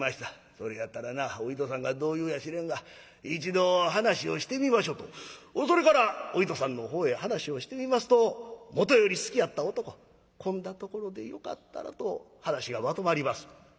それやったらなお糸さんがどう言うやしれんが一度話をしてみましょ」とそれからお糸さんのほうへ話をしてみますともとより好きやった男「こんなところでよかったら」と話がまとまります。